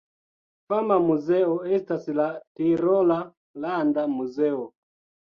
Fama muzeo estas la Tirola Landa Muzeo.